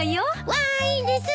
わーいです！